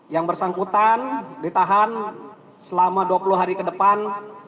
yang bersangkutan ditahan selama dua puluh hari ke depan